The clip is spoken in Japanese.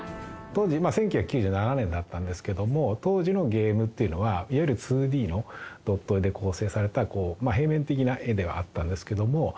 当時１９９７年だったんですけども当時のゲームっていうのはいわゆる２Ｄのドット絵で構成された平面的な絵ではあったんですけども。